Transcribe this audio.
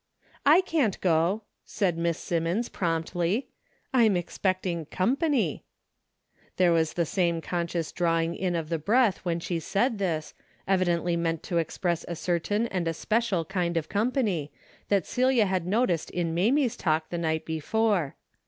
"I can't go," said Miss Simmons, promptly, "I'm expecting company." There was the same conscious drawing in of the breath when she said this, evidently meant to express a cer tain and especial kind of company, that Celia had noticed in Mamie's talk the night before.